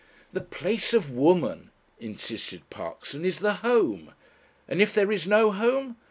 "The place of Woman," insisted Parkson, "is the Home. And if there is no home